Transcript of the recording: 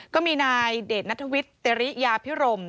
ก็มีนายเดชนัทวิทย์เตริยาพิรม